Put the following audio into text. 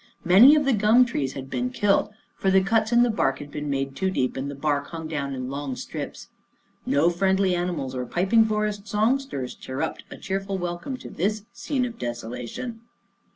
Many of the gum trees had been killed, for the cuts in the bark had been made too deep, and the bark hung down in long strips. No friendly animals or piping forest song sters chirruped a cheerful welcome to this scene of desolation.